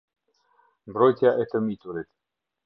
Mbrojtja e të miturit.